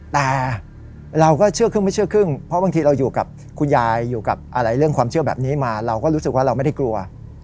แต่เราก็เชื่อครึ่งไม่เชื่อครึ่งเพราะบางทีเราอยู่กับคุณยายอยู่กับอะไรเรื่องความเชื่อแบบนี้มาเราก็รู้สึกว่าเราไม่ได้กลัว